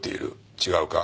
違うか？